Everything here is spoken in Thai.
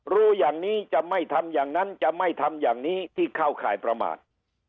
รู้อย่างนี้จะไม่ทำอย่างนั้นจะไม่ทำอย่างนี้ที่เข้าข่ายประมาท